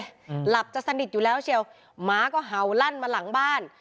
หลับจะสนิทอยู่แล้วเชียวหมาก็เห่าลั่นมาหลังบ้าน